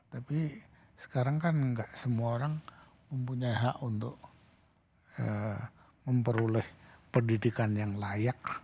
tapi sekarang kan nggak semua orang mempunyai hak untuk memperoleh pendidikan yang layak